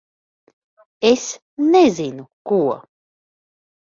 Es nezinu ko...